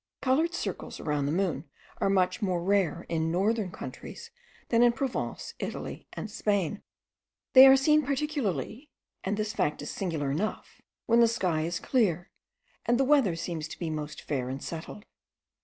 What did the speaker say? Coloured circles around the moon are much more rare in northern countries than in Provence, Italy, and Spain. They are seen particularly (and this fact is singular enough) when the sky is clear, and the weather seems to be most fair and settled.